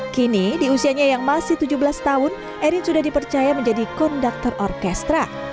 kini di usianya yang masih tujuh belas tahun erin sudah dipercaya menjadi konduktor orkestra